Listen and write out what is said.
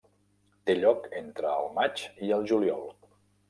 Té lloc entre el maig i el juliol.